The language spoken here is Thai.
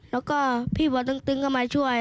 แล้วก็พี่บ่อตึงก็มาช่วย